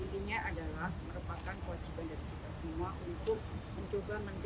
tanggal empat dan lima mei nanti akan ada kpt uki di dandia yang diudah udih dengan pertemuan pada bicara menteri